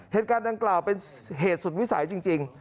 เหตุการณ์ดังกล่าวเป็นเหตุสุดวิสัยจริง